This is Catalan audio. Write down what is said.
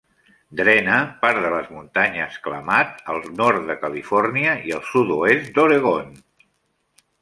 Drena part de les muntanyes Klamath al nord de Califòrnia i al sud-oest d'Oregon.